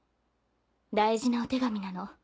大事なお手紙なの。